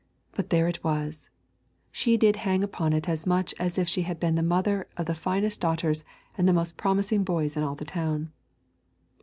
But there it was, she did hang upon it as much as if she had been the mother of the finest daughters and the most promising boys in all the town.